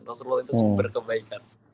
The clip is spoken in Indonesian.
rasulullah itu sumber kebaikan